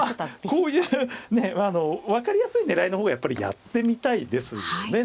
こういう分かりやすい狙いの方がやっぱりやってみたいですよね